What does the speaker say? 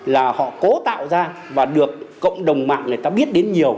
là họ cố tạo ra và được cộng đồng mạng người ta biết